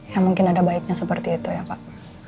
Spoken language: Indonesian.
ya mungkin ada baiknya seperti itu ya pak